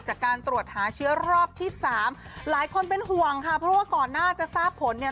จากการตรวจหาเชื้อรอบที่สามหลายคนเป็นห่วงค่ะเพราะว่าก่อนหน้าจะทราบผลเนี่ย